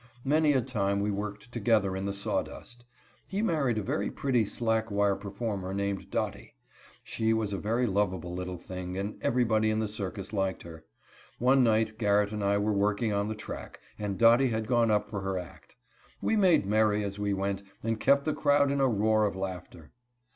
Many a time we worked together in the sawdust. He married a very pretty slack wire performer, named Dottie. She was a very lovable little thing, and everybody in the circus liked her. One night Garrett and I were working on the track, and Dottie had gone up for her act. We made merry as we went, and kept the crowd in a roar of laughter.